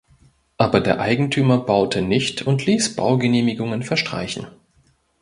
Aber der Eigentümer baute nicht und ließ Baugenehmigungen verstreichen.